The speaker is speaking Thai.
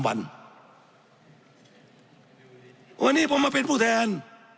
วันนี้ผมมาเป็นผู้แทน